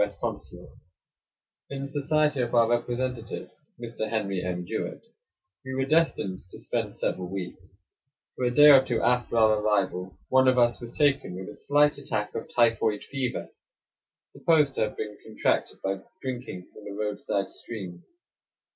S. consulate. In the society of our representative, Mr. Henry M. Jewett, we were destined to spend several weeks; for a day or two after our arrival, one of us was taken with a slight attack of typhoid fever, supposed to have been contracted by drinking from the roadside streams.